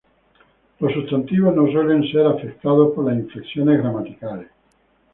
Los sustantivos no suelen ser afectados por las inflexiones gramaticales.